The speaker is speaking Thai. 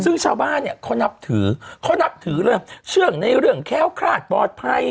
ซึ่งชาวบ้านเนี่ยเขานับถือเขานับถือเลยเชื่องในเรื่องแค้วคลาดปลอดภัย